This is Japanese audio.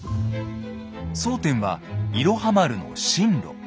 争点は「いろは丸」の進路。